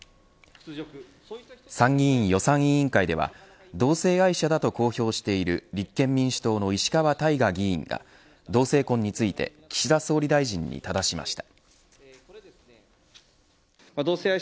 参院予算委員会では同性愛者だと公表している立憲民主党の石川大我議員が同性婚について岸田総理大臣にただしました。